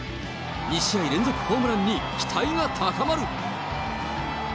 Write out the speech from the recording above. ２試合連続ホームランに期待が高まる。